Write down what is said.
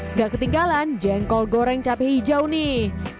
nggak ketinggalan jengkol goreng cabai hijau nih